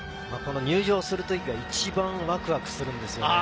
入場する時が一番ワクワクするんですよね。